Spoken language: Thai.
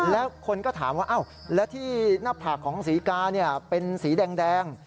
แล้วคนก็ถามว่าแล้วที่หน้าผากของศรีกาเป็นสีแดง